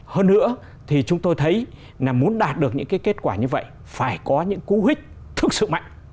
hơn nữa thì chúng tôi thấy là muốn đạt được những kết quả như vậy phải có những cú hích thực sự mạnh